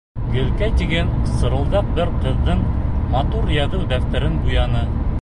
Гөлкәй тигән сырылдаҡ бер ҡыҙҙың матур яҙыу дәфтәрен буяны.